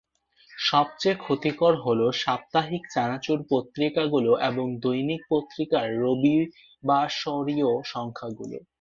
সবচেয়ে ক্ষতিকর হলো সাপ্তাহিক চানাচুর পত্রিকাগুলো এবং দৈনিক পত্রিকার রবিবাসরীয় সংখ্যাগুলো।